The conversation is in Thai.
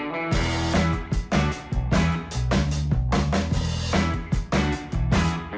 รับทราบ